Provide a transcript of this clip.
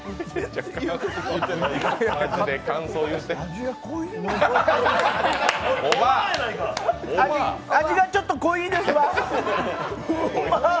味、味がちょっと濃いですわ。